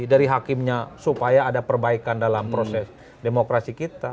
dari hakimnya supaya ada perbaikan dalam proses demokrasi kita